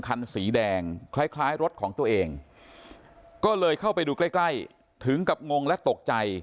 คันสีแดงคล้ายคล้ายรถของตัวเองก็เลยเข้าไปดูใกล้ใกล้ถึงกับงงและตกใจ